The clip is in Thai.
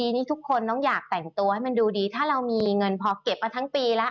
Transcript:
พี่หนิงครับส่วนตอนนี้เนี่ยนักลงทุนแล้วนะครับเพราะว่าระยะสั้นรู้สึกว่าทางสะดวกนะครับเพราะว่าระยะสั้นรู้สึกว่าทางสะดวกนะครับ